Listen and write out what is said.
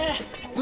何？